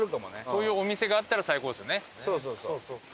そういうお店があったら最高ですよね。